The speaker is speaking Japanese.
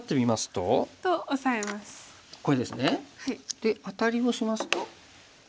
でアタリをしますと。